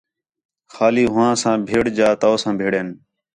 خالی ہُواں ساں بِھڑ جا تَؤ ساں بِھڑین